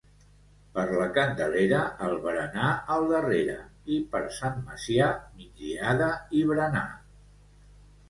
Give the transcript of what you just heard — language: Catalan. Per la Candelera, el berenar al darrere, i per Sant Macià, migdiada i berenar.